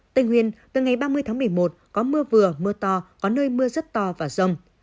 tây nguyên từ ngày ba mươi tháng một mươi một có mưa vừa mưa to có nơi mưa rất to và rông